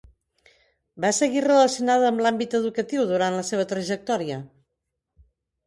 Va seguir relacionada amb l'àmbit educatiu durant la seva trajectòria?